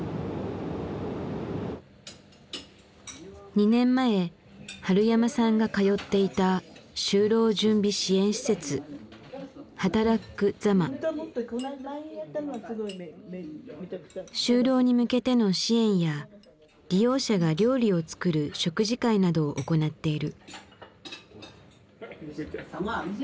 ２年前春山さんが通っていた就労に向けての支援や利用者が料理を作る食事会などを行っている。